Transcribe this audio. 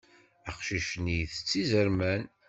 Aqcic-nni itett izerman.